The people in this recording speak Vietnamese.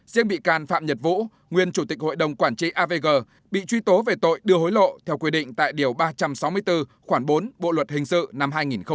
riêng bị can phạm nhật vũ nguyên chủ tịch hội đồng quản trị avg bị truy tố về tội đưa hối lộ theo quy định tại điều ba trăm sáu mươi bốn khoảng bốn bộ luật hình sự năm hai nghìn một mươi năm